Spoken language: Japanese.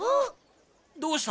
どうした？